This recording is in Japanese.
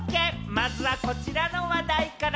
まずは、こちらの話題から。